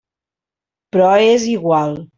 Però és igual.